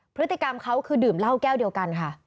พฤติกรรมเขาคือดื่มเหล้าแก้วเดียวกันค่ะ